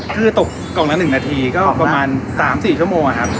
คือตกกล่องละ๑นาทีก็ประมาณ๓๔ชั่วโมงครับ